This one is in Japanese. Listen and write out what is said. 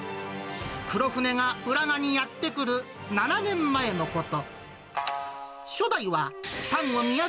黒船が浦賀にやって来る７年前のこと。